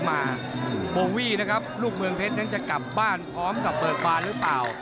มาโบวี่นะครับลูกเมืองเพชรนั้นจะกลับบ้านพร้อมกับเปิดฟาหรือเปล่า